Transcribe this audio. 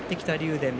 電。